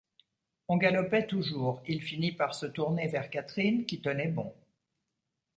On galopait toujours, il finit par se tourner vers Catherine, qui tenait bon.